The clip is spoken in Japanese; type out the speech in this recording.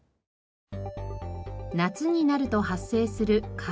夏になると発生する蚊。